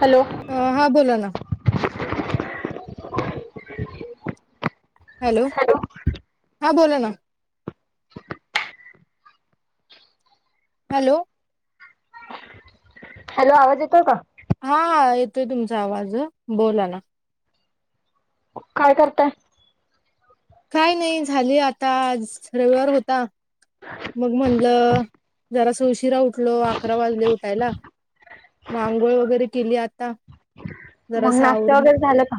Hello. हां बोला ना. हॅलो हां बोला ना. हॅलो. हॅलो आवाज येतोय का? हा. हा. येतोय तुमचा आवाज बोला ना. काय करताय. काय नाही झाली आताज रविवार होता. मग म्हणलं जरास उशिरा उठलो अकरा वाजले उठायला. म अंघोळ वगैरे केली आता जरा मग सा नाश्ता आवरून. वगैरे झालं का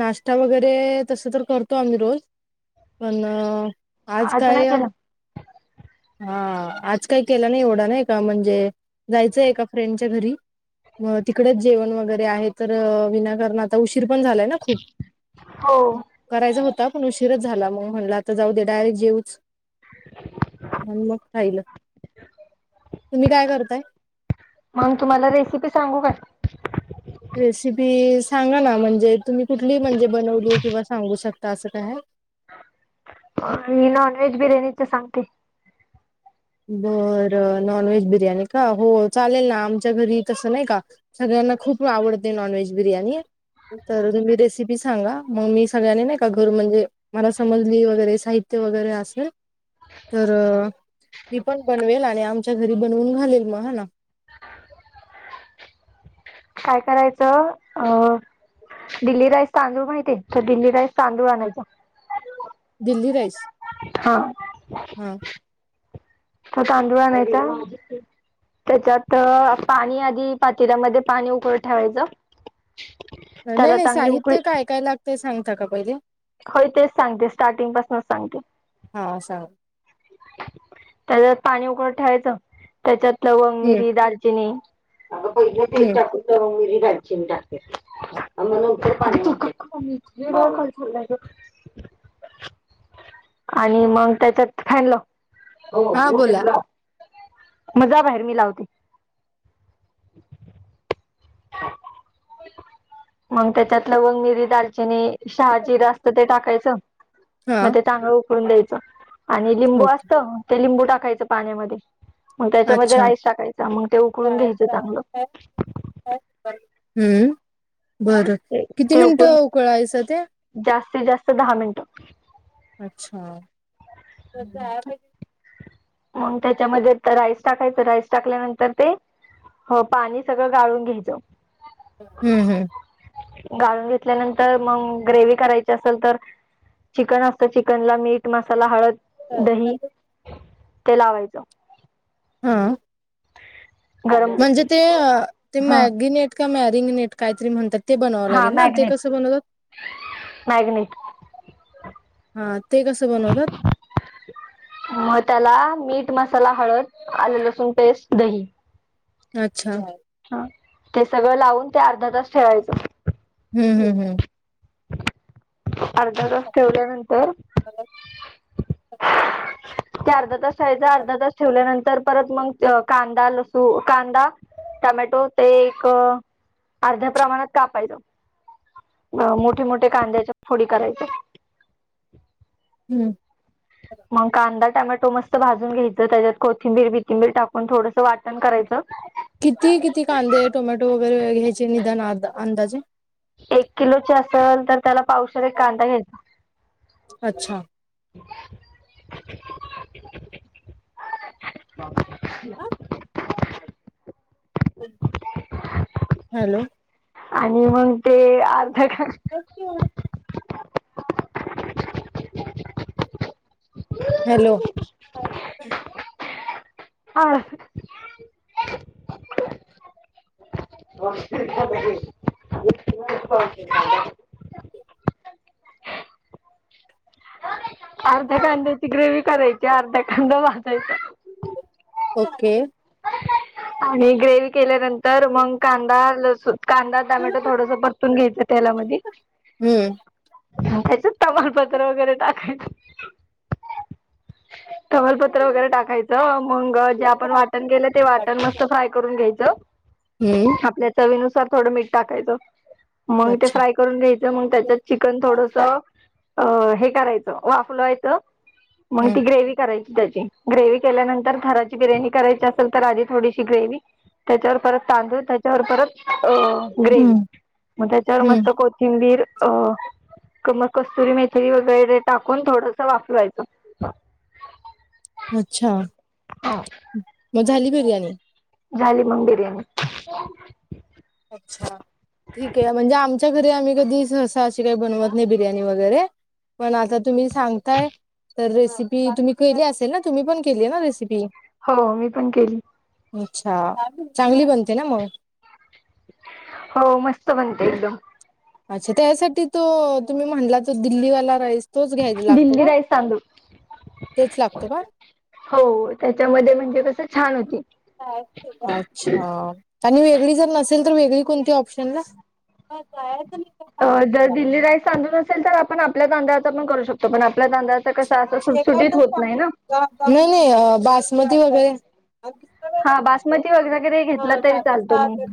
नाश्ता वगैरे तसं तर करतो आम्ही रोज. पण आज नाही काय केलं हा आज काही केला नाही एवढा नाही का म्हणजे जायचंय एका फ्रेंडच्या घरी. म तिकडेच जेवण वगैरे आहे तर विनाकारण आता उशीर पण झालंय ना खूप. हों. करायचा होता पण उशीरच झाला मग, म्हणल आता जाऊ दे डायरेक्ट जेवूच. ह मग खाईलं तुम्ही काय करताय? मंग तुम्हाला रेसिपी सांगू काय? रेसिपी सांगा ना म्हणजे तुम्ही कुठली म्हणजे बनवली किंवा सांगू शकता असं काय आहे? आणि नॉन व्हेज बिर्याणीचा सांगते. बरं नॉन व्हेज बिर्याणी का हो चालेल ना आमच्या घरी तसं नाही का सगळ्यांना खूप वावडते नॉन-व्हेज बिर्याणी. तर तुम्ही रेसिपी सांगा मंग मी सगळ्यांनी नाही का घर म्हणजे मला समजली वगैरे साहित्य वगैरे असेल तर मी पण बनवेल आणि आमच्या घरी बनवून घालेल मग हा ना. काय करायचं अ. दिल्ली राईस तांदूळ पण येते तर दिल्ली राईस तांदूळ आणायचा. दिल्ली राईस. हा. हा. तो तांदूळ आणायचा. त्याच्यात पाणी आधी पातीलामध्ये पाणी उकळत ठेवायचं. त्याला नाही-नाही चांगली उकळी साहित्य काय-काय लागतय सांगता का पहिले? होय तेच सांगते स्टार्टिंग पासूनच सांगते. हा असा. त्याच्यात पाणी उकडत ठेवायचं त्याच्यात लवंग, हम्म मिरी, दालचिनी आंग पहिले तेल हम्म टाकू का मिरं, दालचीन टाकू. उन्हानं उडत पाणी, आणि मग त्याच्यात फॅन लाव. हा बोला मग जा बाहेर मी लावते. मग त्याच्यात लवंग, मिरी, दालचिनी. शहा जिरां असतं ते टाकायचं मग हा ते चांगलं उकळून द्यायचं. आणि लिंबू ओके असत ते लिंबू टाकायचं पाण्यामध्ये. मग त्याच्यामध्ये अच्छा राईस टाकायचा. मग ते उकळून घ्यायचं चांगलं. हम्म बरं. किती ते उकळून मिनिटं उकळायच ते? जास्तीत जास्त दहा मिनिटं. अच्छा. हम्म हम्म. मग त्याच्यामध्ये राईस टाकायच. राईस टाकल्यानंतर ते हो पाणी सगळं गाळून घ्यायचं. हम्म. हम्म. गाळून घेतल्यानंतर, मग ग्रेव्ही करायची असेल तर चिकन असत चिकन ला मीठ, मसाला, हळद, दही ते लावायचं. हा. गरम म्हणजे ते ते हा मॅगी नट का मॅरिंग नट काहीतरी म्हणतात. ते बनवावं हा लागेल ना ते कसं मॅग्नेट बनवतात? मॅग्नेट हा ते कसं बनवतात? मग त्याला मीठ, मसाला, हळद, आलें लसूण पेस्ट, दही. अच्छा. हा ते सगळं लावून ते अर्धा तास ठेवायचं. हम्म. हमम. हम्म. अर्धा तास ठेवल्यानंतर त्या अर्धा तास हयाचा अर्धा तास ठेवल्यानंतर परत मग कांदा, लसू, कांदा. टमॅटो ते एक अर्ध्या प्रमाणात कापायच. अ मोठे मोठे कांद्याच्या फोडी करायचे. हम्म. मग कांदा टोमॅटो मस्त भाजून घ्यायचं. त्याच्यात कोथिंबीर बिथिंबीर टाकून थोडंसं वाटण करायचं. किती किती कांदे, टोमॅटो वगैरे घ्यायचे निदान अंदाजे. एक किलोचे असल तर त्याला पावशेर एक कांदा घ्यायचा. अच्छा [inaudible] हॅलो. आणि मग ते अर्धा [unintelligible] [inaudible] हॅलो. [inaudible] हा. [unintelligible] [unintelligible] अर्ध्या कांद्याची ग्रेव करायची अर्धा कांदा भाजायचा. ओके. आणि ग्रेवी केल्यानंतर मग कांदा, लसूण, कांदा टोमॅटो थोडस परतू परतून घ्याचं तेलामध्ये. हम्म. त्याच्यात तमालपत्र वगैरे टाकायचं. तमालपत्र वगैरे टाकायचं मंग. जे आपण वाटण केलं ते वाटण मस्त फ्राय करून घ्यायचं. हम्म. आपल्या चवीनुसार थोडं मीठ टाकायचं मग ते अच्छा फ्राय करून घ्यायचं मग त्याच्यात चिकन थोडसं. अ हे करायचं वाफलवायचं. मग ती ग्रेव्ही करायची त्याची ग्रेव्ही केल्यानंतर थराची बिर्याणी करायची असेल तर आधी थोडीशी ग्रेव्ही त्याच्यावर परत तांदूळ त्याच्यावर परत अ ग्रेव्ही हम्म मग त्याच्यावर मस्त हम्म कोथिंबीर. अ मग कसुरी मेथी वगैरे टाकून थोडंसं वाफवायचं. [inaudible] अच्छा. हो. मग झाली बिर्याणी. झाली मग बिर्याणी. अच्छा. ठीके आहे. म्हणजे आमच्या घरी आम्ही कधी सहसा अशी काही बनवत नाही बिर्याणी वगैरे. पण आता तुम्ही सांगताय. तर रेसिपी तुम्ही केली असेल ना? तुम्ही पण केली आहे ना रेसिपी. हो मी पण केली. अच्छा चांगली बनते ना मग? हो मस्त बनते एकदम. अच्छा त्यासाठी तो तुम्ही म्हणला तो दिल्लीवाला राईस. तोच घ्यायला लागतो दिल्ली का? राईस तांदूळ तेच लागतो का? हो त्याच्यामध्ये म्हणजे कस छान होती. अच्छा. आणि वेगळी जर नसेल तर, वेगळी कोणती ऑप्शन ला. जर दिल्ली राईस तांदूळ नसेल तर, आपण आपल्या तांदळाचा पण करू शकतो पण आपल्या तांदळाचा कसा असं सुटसुटीत होत नाही ना हे नाही बासमती वगैरे. हा बासमती वगैरेरे घेतलं तरी चालतो मग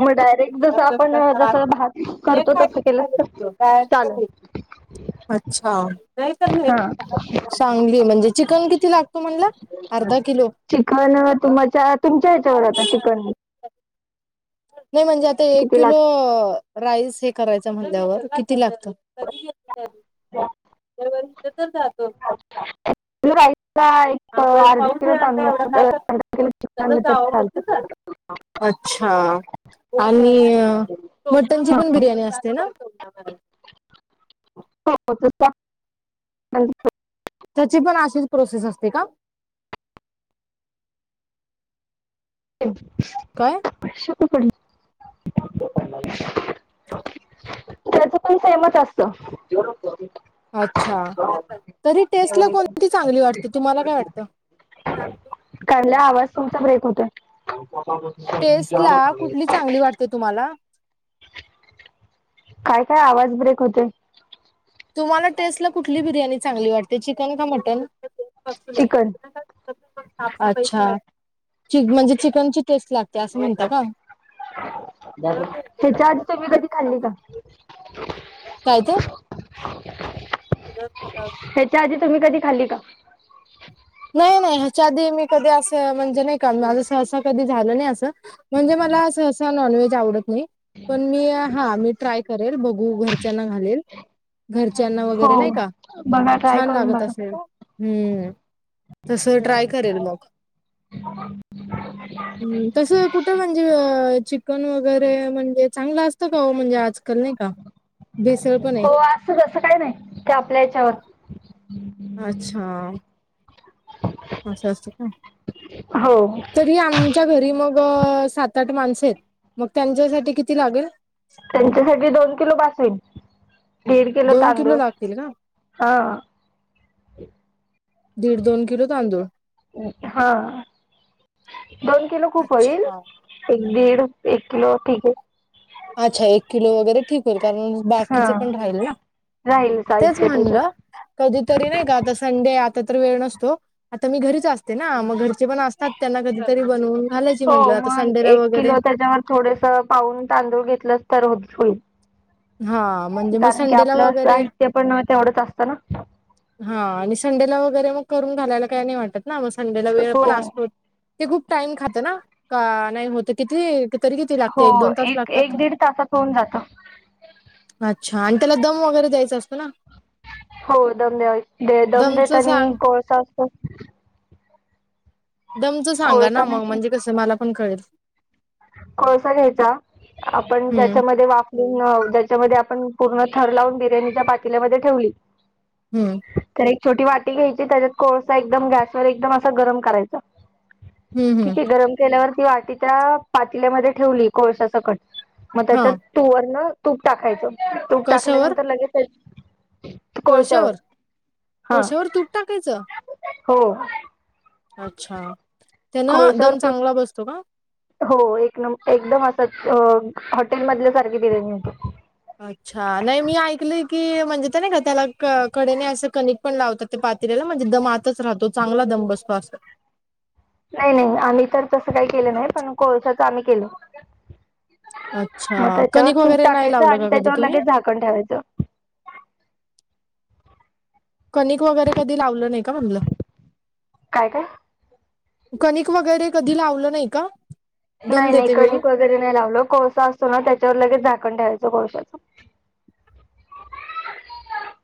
मग डायरेक्ट जस आपण जस भात करतो तसं केलंच तर चालेल. अच्छा नाही तर नाही. हा चांगलीय म्हणजे चिकन किती लागतं म्हणला अर्धा किलो. चिकण व तुमच्यात तुमच्या ह्याच्यावर आता चिकन नाही म्हणजे आता एक किती किलो लागत राईस हे करायचं म्हल्यावर किती लागतं? रविवार कधी तर जातो. [unintelligible] राईसचा एक अर्ध किलो तांदुळ [unintelligible] चालतंय अच्छा. आणि मटणची हा पण बिर्याणी असते ना. हो. हो. त्याची पण अशीच प्रोसेस असते का? ह. का. पैसे कुठं गेले. त्याच पण सेमच असतं. अच्छा तरी टेस्टला कोणती चांगली वाटते तुम्हाला काय वाटतं? [unintelligible] कारण लय आवाज तुमचा ब्रेक होतो. [unintelligible] टेस्टला कुठली चांगली वाटते तुम्हाला? काय काय आवाज ब्रेक होतंय. तुम्हाला टेस्टला कुठली बिर्याणी चांगली वाटते चिकन का मटन? चिकन अच्छा. म्हणजे चिकनची टेस्ट लागते असं म्हणता का? त्याच्याआधी तुम्ही कधी खाल्ली का? [unintelligible] सगळंच खाताव त्याआधी तुम्ही कधी खाल्ली का? नाही नाही ह्याच्या आधी मी कधी असं म्हणजे नाही का, माझं सहसा कधी झालं नाही असं. म्हणजे मला सहसा नॉनव्हेज आवडत नाही, पण मी हा मी ट्राय करेल बघू घरच्यांना घालेल. घरच्यांना हो वगैरे नाही का, बघा ट्राय छान करून लागत बघा असेल. हम्म. तसं ट्राय करेल मग. हम्म. तसं कुठं म्हणजे चिकन वगै ते म्हणजे चांगलं असतं का ओ म्हणजे आजकाल नाही का भेसळ पण आहे. तसं काही नाही. ते आपल्या हो. याच्यावर अच्छा. असं असतंय हो काय? नाही आमच्या घरी मग सात आठ माणसं आहेत. मग त्यांच्यासाठी किती लागेल? तुमच्यासाठी दोन किलो बास होईल. दीड किलो तांदूळ लागतील का? हा. दीड दोन किलो तांदूळ. हा. दोन किलो खूप होईल? अच्छा. एक दीड, एक किलो ठीक आहे. अच्छा एक किलो वगैरे ठीक होईल, कारण हा बाकीचं पण राहील ना. राहील तेच साहित्य म्हणलं त्याच्यात कधीतरी नाही का, आता संडे आता तर वेळ नसतो. आता मी घरीच असते ना, मग घरचे पण असतात त्यांना कधीतरी बनवून घालायची हो म्हटलं आता मग संडेला एक वगैरे किलो त्याच्यावर थोडेस पाऊन तांदूळ घेतलंच तर होईल. हा म्हणजे मग संडेला वगैरे ते पण तेवढंच असतं ना? हा आणि संडेला वगैरे मग करून घालायला काही नाही वाटत ना, मग संडेला वेळ हो पण असतो. ते खूप टाइम खात ना. का नाही होतं किती तरी किती लागते, हो एक दोन तास लागतात एक का? दीड तासात होऊन जातं अच्छा आणि त्याला दम वगैरे द्यायचा असतो ना? हो दम द्या दम दमच देतांनी सांग कोळसा असतो. दमच सांगा ना कोळसा मग नाही म्हणजे कसं मला पण कळेल. कोळसा घ्यायचा, ‌आपण हम्म ज्याच्यामध्ये वाफ पूर्ण ज्याच्यामध्ये आपण पूर्ण थर लावून बिर्याणी त्या पातेल्यामध्ये ठेवली. हम्म. तर एक छोटी वाटी घ्यायची, त्याच्यात कोळसा एकदम गॅसवर एकदम असा गरम करायचा. हम्म हम्म ठीक आहे. गरम केल्यावर ती वाटी त्या पातेल्यामध्ये ठेवली कोळशासकट. मग हा त्याच्या वरन तूप टाकायचं, तूप टाकल्यानंतर लगेचच कोळश्यावर, कोळश्यावर तूप टाकायचं? हो. अच्छा. त्यान कोळशावर दम तूप चांगला बसतो का? हो एक न एकदम असं अ हॉटेलमधल्या सारखी बिर्याणी होते. अच्छा नाही मी ऐकलंय, की म्हणजे ते नाही का त्याला क-कडेने असं कनिक पण लावतात ते पातेल्याला म्हणजे दम आतच राहतो, चांगला दम बसतो असं. नाही नाही आम्ही तर तसं काही केलं नाही, पण कोळशाच आम्ही केलंय. मग, अच्छा त्याच्यावर कणिक तूप वगैरे नाही टाकायचं लावलं आणि का कधी त्याच्यावर तुम्ही लगेच झाकण ठेवायचं. कणिक वगैरे कधी लावलं नाही का म्हणलं? काय? काय? कणीक वगैरे कधी लावलं नाही का? दम नाही नाही देते करी वेळी ब [unintelligible] नाही लाव लोकोळसा असतो ना त्याच्यावर लगेच झाकण ठेवायचं कोळशच [unintelligible]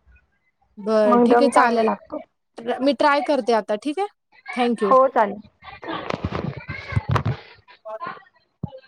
बरं ठीक आहे चालेल मी ट्राय करते आता ठीक आहे. थँक्यू. हो चालेल. कॉल.